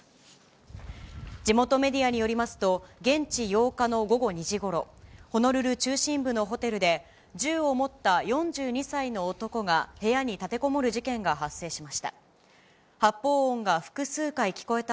地元メディアによりますと、現地８日の午後２時ごろ、ホノルル中心部のホテルで、銃を持った４２歳の男が、部屋に立てこもる事件が発生しました。